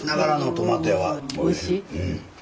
おいしい？